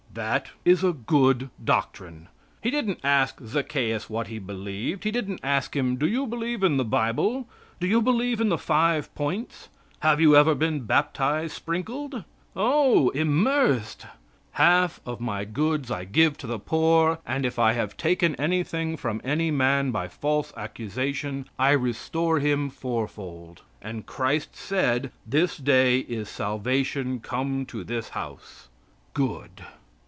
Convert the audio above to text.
'" That is good doctrine. He didn't ask Zaccheus what he believed. He didn't ask him, Do you believe in the Bible? Do you believe in the five points? Have you ever been baptized sprinkled? Oh! immersed. "Half of my goods I give to the poor, and if I have taken anything from any man by false accusation, I restore him four fold." "And Christ said, 'This day is salvation come to this house.'" Good!